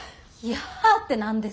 「やあ」って何ですか！？